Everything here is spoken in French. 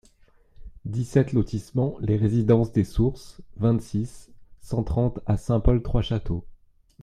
dix-sept lotissement Les Residences des Sources, vingt-six, cent trente à Saint-Paul-Trois-Châteaux